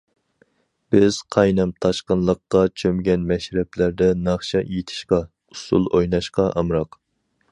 بىز قاينام- تاشقىنلىققا چۆمگەن مەشرەپلەردە ناخشا ئېيتىشقا، ئۇسسۇل ئويناشقا ئامراق.